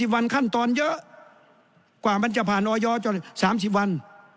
วันขั้นตอนเยอะกว่ามันจะผ่านออยจน๓๐วัน